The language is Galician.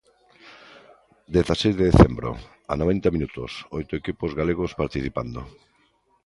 Dezaseis de decembro, a noventa minutos, oito equipos galegos participando.